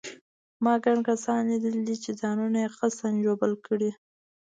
ما ګڼ کسان لیدلي چې ځانونه یې قصداً ژوبل کړي.